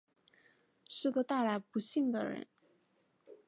是个带来不幸的人